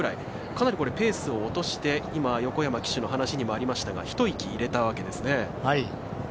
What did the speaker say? かなりペースを落として横山騎手の話にもありましたが一息入れたわけですよね。